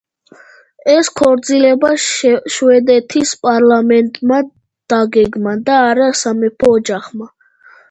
ეს ქორწინება შვედეთის პარლამენტმა დაგეგმა და არა სამეფო ოჯახმა.